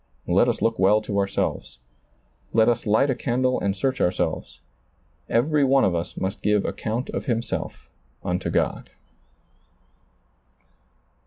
Let us look well to ourselves. Let us light a candle and search ourselves. Every one of us must give account of himself unto God.